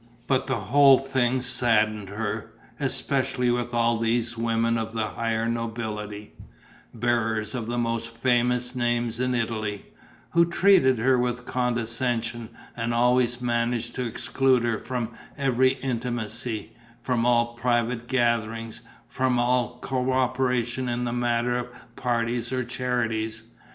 But the whole thing saddened her, especially with all these women of the higher nobility bearers of the most famous names in Italy who treated her with condescension and always managed to exclude her from every intimacy, from all private gatherings, from all cooperation in the matter of parties or charities.